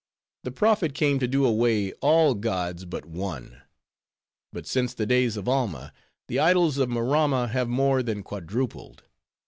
The prophet came to do away all gods but one; but since the days of Alma, the idols of Maramma have more than quadrupled.